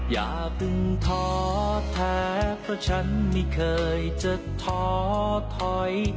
อย่าเพิ่งท้อแท้เพราะฉันไม่เคยจะท้อถอย